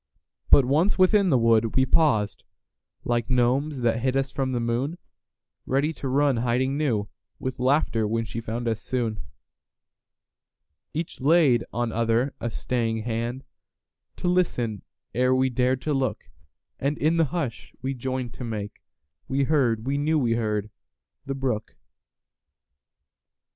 But once within the wood, we pausedLike gnomes that hid us from the moon, Ready to run to hiding newWith laughter when she found us soon. Each laid on other a staying handTo listen ere we dared to look, And in the hush we joined to makeWe heard—we knew we heard—the brook.